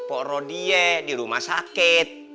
pok rodia di rumah sakit